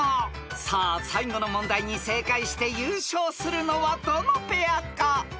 ［さあ最後の問題に正解して優勝するのはどのペアか？］